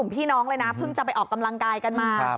พี่น้องเลยนะเพิ่งจะไปออกกำลังกายกันมา